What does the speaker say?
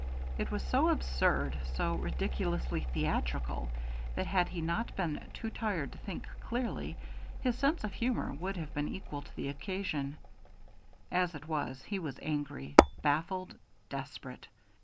It was so absurd, so ridiculously theatrical, that had he not been too tired to think clearly, his sense of humor would have been equal to the occasion; as it was, he was angry, baffled, desperate.